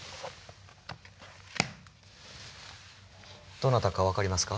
どなたか分かりますか？